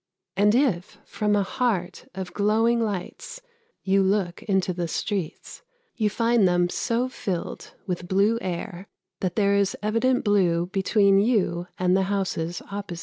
And if, from a heart of glowing lights, you look into the streets, you find them so filled with blue air that there is evident blue between you and the houses opposite.